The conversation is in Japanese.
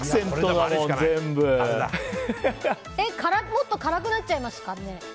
もっと辛くなっちゃいますかね？